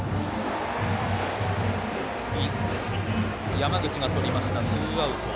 山口がとりましたツーアウト。